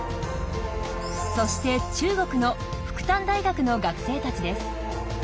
そして中国の復旦大学の学生たちです。